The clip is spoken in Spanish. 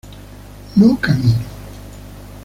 no camino